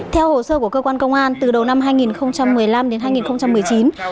theo hồ sơ của cơ quan công an từ đầu năm hai nghìn một mươi năm đến hai nghìn một mươi chín